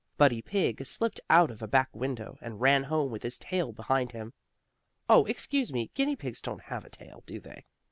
Buddy Pigg slipped out of a back window, and ran home with his tail behind him. Oh, excuse me, guinea pigs don't have a tail, do they?